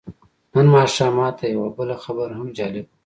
نن ماښام ماته یوه بله خبره هم جالبه وه.